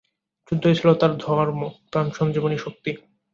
যুদ্ধই ছিল তার ধর্ম, প্রাণ সঞ্জীবনী শক্তি।